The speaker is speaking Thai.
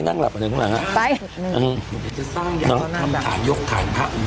จะต้องอยากต้องนั่งดังมาก